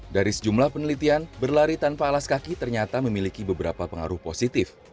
dari sejumlah penelitian berlari tanpa alas kaki ternyata memiliki beberapa pengaruh positif